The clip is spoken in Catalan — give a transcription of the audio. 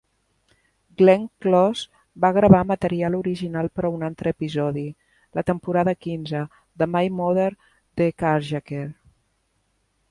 Glenn Close va gravar material original per a un altre episodi, la temporada quinze de "My Mother the Carjacker".